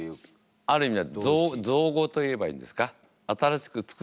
ある意味では造語といえばいいんですか。